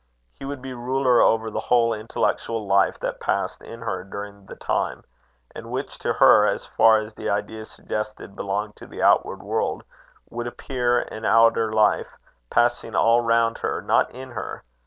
He would be ruler over the whole intellectual life that passed in her during the time; and which to her, as far as the ideas suggested belonged to the outward world, would appear an outer life, passing all round her, not in her.